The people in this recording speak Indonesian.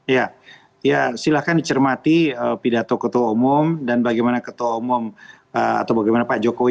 ya silahkan dicermati pidato ketua umum dan bagaimana ketua umum atau bagaimana pak jokowi